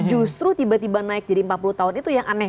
justru tiba tiba naik jadi empat puluh tahun itu yang aneh